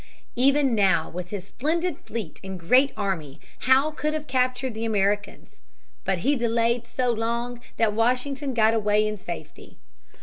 Even now with his splendid fleet and great army Howe could have captured the Americans. But he delayed so long that Washington got away in safety.